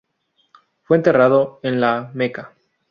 Fue enterrado en La Meca.